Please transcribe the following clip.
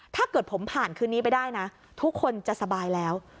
ถ้าเกิดผมผ่านคืนนี้ไปได้นะทุกคนจะสบายแล้ว